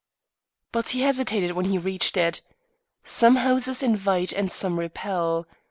But he hesitated when he reached it. Some houses invite and some repel.